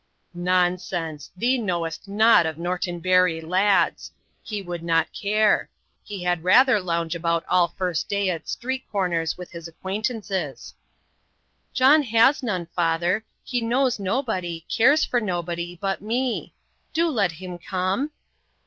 "Nonsense! thee know'st nought of Norton Bury lads. He would not care. He had rather lounge about all First day at street corners with his acquaintance." "John has none, father. He knows nobody cares for nobody but me. Do let him come."